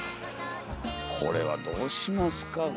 これはどうしますか？